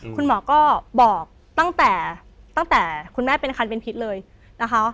คุณหมอก็บอกตั้งแต่ตั้งแต่คุณแม่เป็นคันเป็นพิษเลยนะคะ